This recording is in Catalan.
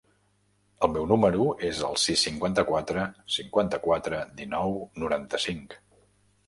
El meu número es el sis, cinquanta-quatre, cinquanta-quatre, dinou, noranta-cinc.